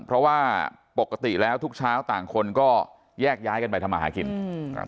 เพราะว่าปกติแล้วทุกเช้าต่างคนก็แยกย้ายกันไปทำมาหากินอืมอ่า